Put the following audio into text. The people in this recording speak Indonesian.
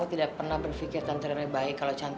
untuk membalas perbuatan haikel kekuat